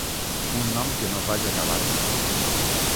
Un nom que no vaig acabar d'entendre.